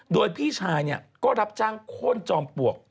โดยพี่ชายก็รับจ้างโค้นจอมปลวก